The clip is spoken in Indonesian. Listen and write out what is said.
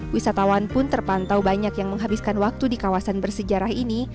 wisatawan pun terpantau banyak yang menghabiskan waktu di kawasan bersejarah ini